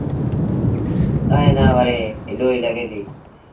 ائيٚݩ نا وري ايٚڏوئيٚ لڳي ديٚ۔